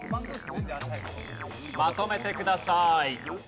まとめてください。